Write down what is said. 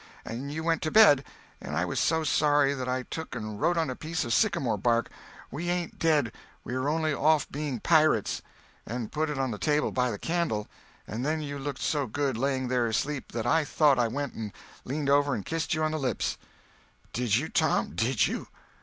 And you went to bed, and I was so sorry that I took and wrote on a piece of sycamore bark, 'We ain't dead—we are only off being pirates,' and put it on the table by the candle; and then you looked so good, laying there asleep, that I thought I went and leaned over and kissed you on the lips." "Did you, Tom, did you!